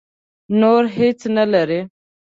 نور هېڅ نه لري.